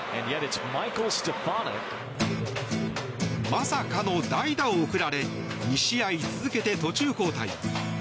まさかの代打を送られ２試合続けて途中交代。